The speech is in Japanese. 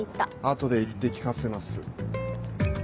後で言って聞かせます。